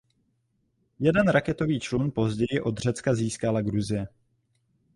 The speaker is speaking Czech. Jeden raketový člun později od Řecka získala Gruzie.